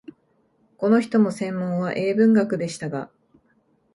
この人も専門は英文学でしたが、